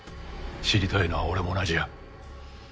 知りたいのは俺も同じや。